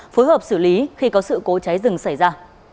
phối hợp xử lý khi có sự cố cháy rừng xảy ra